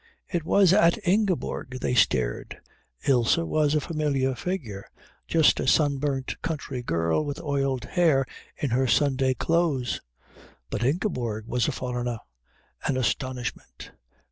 It was at Ingeborg they stared. Ilse was a familiar figure, just a sunburnt country girl with oiled hair, in her Sunday clothes; but Ingeborg was a foreigner, an astonishment.